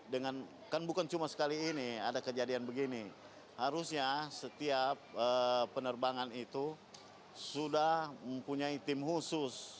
dengan kan bukan cuma sekali ini ada kejadian begini harusnya setiap penerbangan itu sudah mempunyai tim khusus